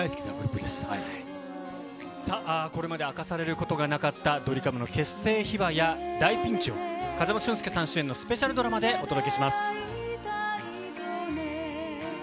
さあ、これまで明かされることがなかった、ドリカムの結成秘話や、大ピンチを、風間俊介さん主演のスペシャルドラマでお届けします。